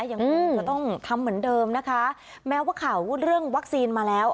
ยังคงจะต้องทำเหมือนเดิมนะคะแม้ว่าข่าวเรื่องวัคซีนมาแล้ว